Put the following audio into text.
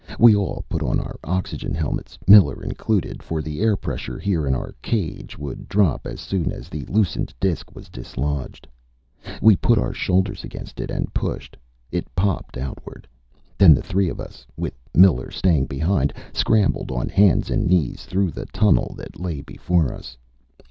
We all put on our oxygen helmets, Miller included, for the air pressure here in our "cage" would drop as soon as the loosened disc was dislodged. We put our shoulders against it and pushed. It popped outward. Then the three of us, with Miller staying behind, scrambled on hands and knees through the tunnel that lay before us.